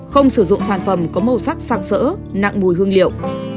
không sử dụng sản phẩm có màu sắc sạc sỡ nặng mùi hương liệu